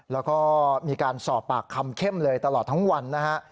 แล้วก็มีการสอบปากคำเข้มเลยตลอดทั้งวันนะฮะ